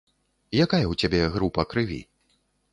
Якая ў цябе група крыві?